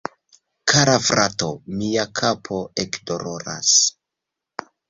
Kara frato, mia kapo ekdoloras